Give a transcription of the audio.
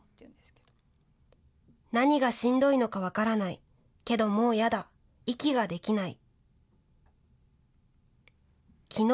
何がしんどいのか分からない、もうやだ、息ができない。